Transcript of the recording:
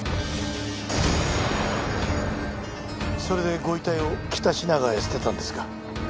それでご遺体を北品川へ捨てたんですか？